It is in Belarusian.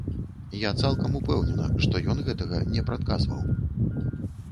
Я цалкам упэўнена, што ён гэтага не прадказваў.